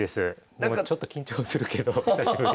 でもちょっと緊張するけど久しぶりで。